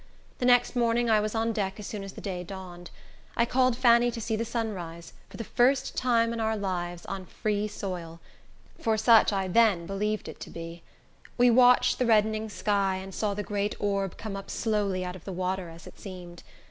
The next morning I was on deck as soon as the day dawned. I called Fanny to see the sun rise, for the first time in our lives, on free soil; for such I then believed it to be. We watched the reddening sky, and saw the great orb come up slowly out of the water, as it seemed.